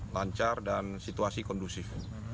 lancar dan situasi kondusif